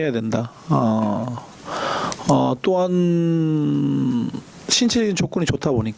jadi kita harus menggunakan kekuatan itu